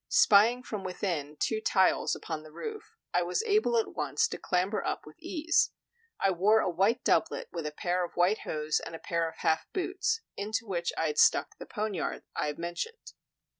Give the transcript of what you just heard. Spying from within two tiles upon the roof, I was able at once to clamber up with ease. I wore a white doublet with a pair of white hose and a pair of half boots, into which I had stuck the poniard I have mentioned.